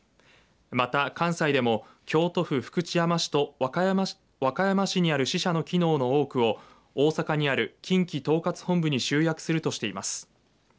また、関西でも京都府福知山市と和歌山市にある支社の機能の多くを大阪にある近畿統括本部に集約するとしています。